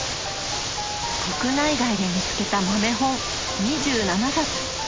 国内外で見つけた豆本２７冊！